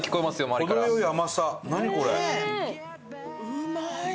うまい！